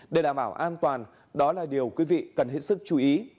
để đảm bảo an toàn đó là điều quý vị cần hết sức chú ý